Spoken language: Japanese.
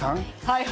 はい。